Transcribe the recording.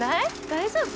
大丈夫？